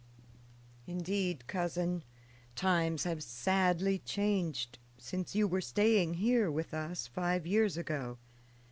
"Indeed, cousin, times have sadly changed since you were staying here with us five years ago.